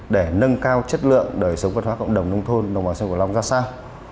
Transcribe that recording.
để nâng cao chất lượng đời sống văn hóa cộng đồng nông thôn đồng bằng sông cổ long ra sao